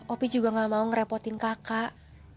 opi juga gak mau ngerepotin kakak